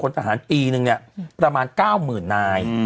ทหารปีนึงเนี่ยประมาณ๙๐๐นาย